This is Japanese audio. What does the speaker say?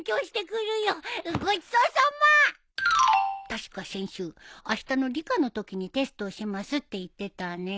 確か先週あしたの理科のときにテストをしますって言ってたね。